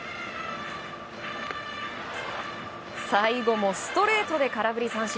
最後もストレートで空振り三振。